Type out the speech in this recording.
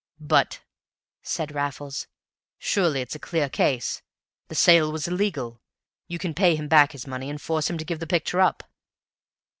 "But," said Raffles, "surely it's a clear case? The sale was illegal; you can pay him back his money and force him to give the picture up."